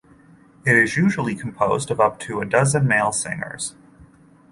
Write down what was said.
It is usually composed of up to a dozen male singers.